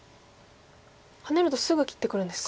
ハネるとすぐ切ってくるんですか。